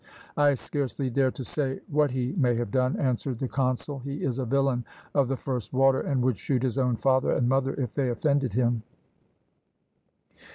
"I scarcely dare to say what he may have done," answered the consul; "he is a villain of the first water, and would shoot his own father and mother if they offended him."